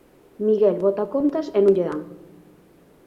Miguel bota contas e non lle dan.